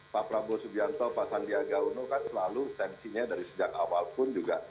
pak prabowo subianto pak sandiaga uno kan selalu tensinya dari sejak awal pun juga